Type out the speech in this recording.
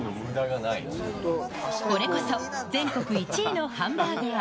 これこそ、全国１位のハンバーガー。